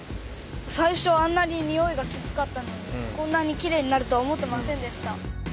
最初はあんなににおいがきつかったのにこんなにきれいになるとは思ってませんでした。